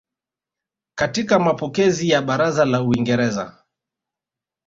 katika mapokezi ya Baraza la Uingereza